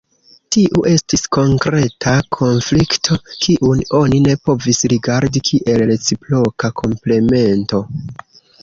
Tiu estis konkreta konflikto, kiun oni ne povis rigardi kiel reciproka komplemento.